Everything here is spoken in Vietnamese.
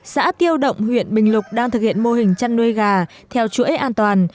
xã tiêu động huyện bình lục đang thực hiện mô hình chăn nuôi gà theo chuỗi an toàn